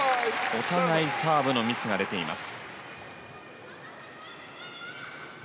お互い、サーブのミスが出ています。